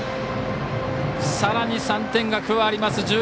さらに３点が加わります